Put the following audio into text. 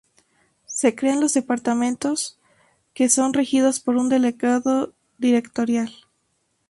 Se crean los departamentos que son regidos por un "delegado directorial".